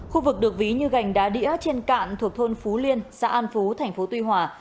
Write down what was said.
khu vực được ví như gành đá đĩa trên cạn thuộc thôn phú liên xã an phú thành phố tuy hòa